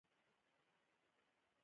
په کلیو کې ډاکټران کم دي.